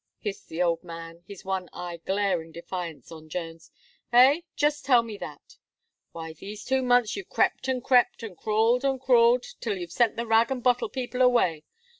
hissed the old man, his one eye glaring defiance on Jones, "eh! just tell me that. Why, these two months you've crept and crept, and crawled, and crawled, till you've sent the rag and bottle people away.